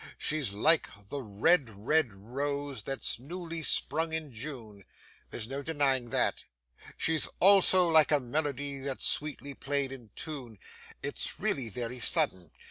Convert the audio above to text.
She's like the red red rose that's newly sprung in June there's no denying that she's also like a melody that's sweetly played in tune. It's really very sudden.